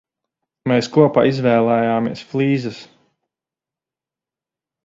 Mēs kopā izvēlējāmies flīzes.